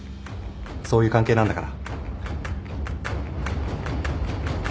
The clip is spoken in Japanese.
そういう関係なんだから。